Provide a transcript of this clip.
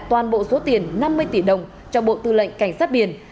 toàn bộ số tiền năm mươi tỷ đồng cho bộ tư lệnh cảnh sát biển